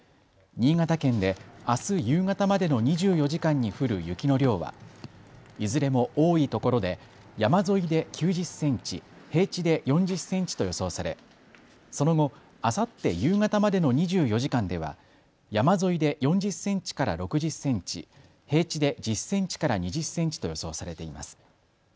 新潟県で、あす夕方までの２４時間に降る雪の量はいずれも多いところで山沿いで９０センチ、平地で４０センチと予想されその後、あさって夕方までの２４時間では山沿いで４０センチから６０センチ、平地で１０センチから２０センチと予想されています。